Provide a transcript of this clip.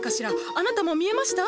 あなたも見えました？